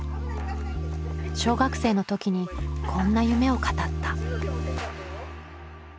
小学生の時にこんな夢を語った。